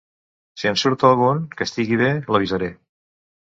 Si en surt algun, que estigui bé, l'avisaré.